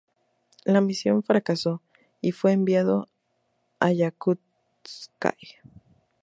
La misión fracasó y fue enviado a Yakutsk.